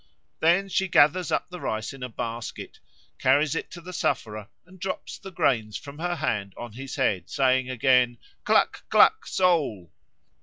Then she gathers up the rice in a basket, carries it to the sufferer, and drops the grains from her hand on his head, saying again, "Cluck! cluck! soul!"